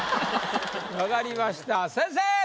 分かりました先生。